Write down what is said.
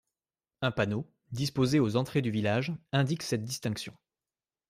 Un panneau, disposé aux entrées du village, indique cette distinction.